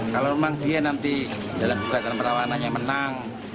kalau memang dia nanti dalam gugatan perlawanannya menang